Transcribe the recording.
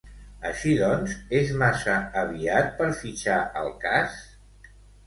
Així doncs, és massa aviat per fitxar el cas?